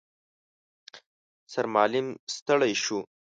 سرمعلم ستړی شو.